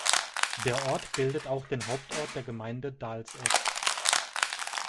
Der Ort bildet auch den Hauptort der Gemeinde Dals-Ed.